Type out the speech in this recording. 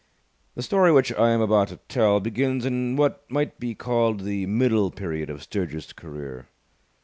The story which I am about to tell begins in what might be called the middle period of Sturgis's career.